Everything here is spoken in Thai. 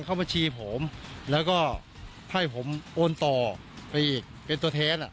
เข้าบัญชีผมแล้วก็ให้ผมโอนต่อไปอีกเป็นตัวแทน